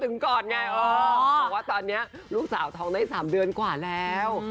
ก่อนไงบอกว่าตอนนี้ลูกสาวท้องได้๓เดือนกว่าแล้ว